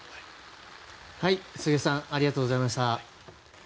柘植さんありがとうございました。